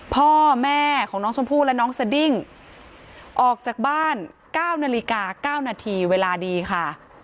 พ่อแม่ของน้องชมพู่และน้องสดิ้งออกจากบ้าน๙นาฬิกา๙นาทีเวลาดีค่ะ